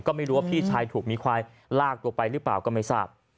ก็ไม่รู้พี่ชายถูกหมาควายลากลงไปรึเปล่าก็ไม่ทราบ